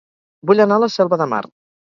Vull anar a La Selva de Mar